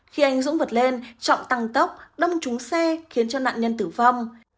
khi anh dũng vượt lên trọng tăng tốc đâm trúng xe khiến cho nạn nhân tử vong